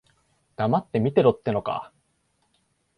黙って見てろってのか。